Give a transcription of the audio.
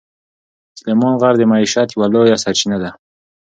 سلیمان غر د معیشت یوه لویه سرچینه ده.